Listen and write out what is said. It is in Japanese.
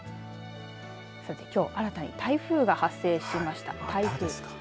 さて、きょう新たに台風が発生しました。